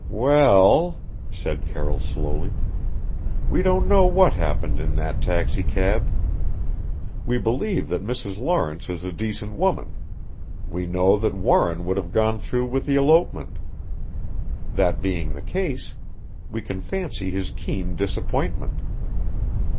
"Well," said Carroll slowly, "we don't know what happened in that taxicab. We believe that Mrs. Lawrence is a decent woman. We know that Warren would have gone through with the elopement. That being the case, we can fancy his keen disappointment.